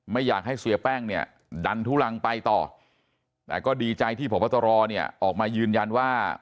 ไม่อยากให้เสียแป้งเนี่ยดันทุลังไปต่อแต่ก็ดีใจที่พบตรเนี่ยออกมายืนยันว่า